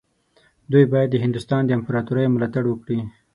دوی باید د هندوستان د امپراطورۍ ملاتړ وکړي.